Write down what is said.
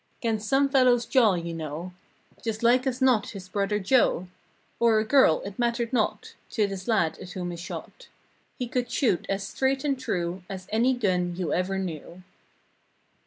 'Gainst some fellow's jaw you know— Just like as not his brother Joe; Or a girl, it mattered not To this lad at whom he shot. He could shoot as straight and true As any gun you 'ever knew.